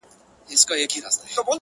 د مسلمانانو زړونه سره سوري وي.